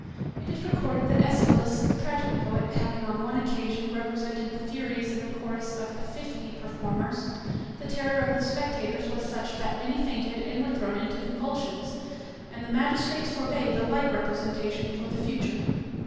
It is recorded that Aeschylus, the tragic poet, having on one occasion represented the Furies in a chorus of fifty performers, the terror of the spectators was such that many fainted and were thrown into convulsions, and the magistrates forbade a like representation for the future.